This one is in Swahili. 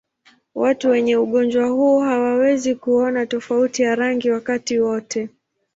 Watu wenye ugonjwa huu hawawezi kuona tofauti ya rangi wakati wote.